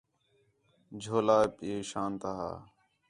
جھولہ ہپّی شان تا ہا